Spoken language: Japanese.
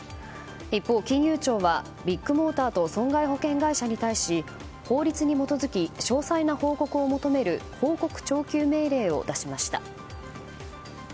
一方、金融庁はビッグモーターと損害保険会社に対し法律に基づき詳細な報告を求める報告徴求命令を出しました。